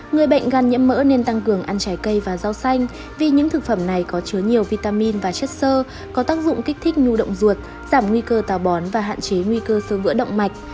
người bệnh gan nhiễm mỡ nên tăng cường ăn trái cây và rau xanh vì những thực phẩm này có chứa nhiều vitamin và chất sơ có tác dụng kích thích nhu động ruột giảm nguy cơ tàu bón và hạn chế nguy cơ sơ vữa động mạch